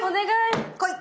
来い！